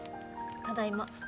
ただいま。